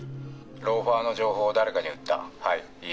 ローファーの情報を誰かに売った。